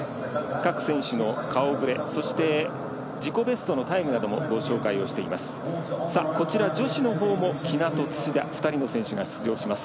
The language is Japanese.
各選手の顔ぶれそして自己ベストのタイムなどもご紹介をしています。